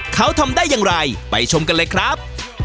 เขาทำได้อย่างไรไปชมกันเลยครับ